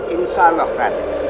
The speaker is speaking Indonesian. insya allah raden